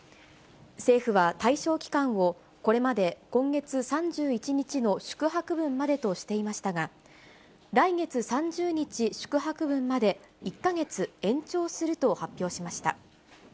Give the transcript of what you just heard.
政府は対象期間をこれまで今月３１日の宿泊分までとしていましたが、来月３０日宿泊分まで、１か月延長すると発表しました。